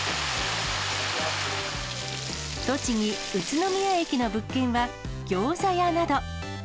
栃木・宇都宮駅の物件はギョーザ屋など。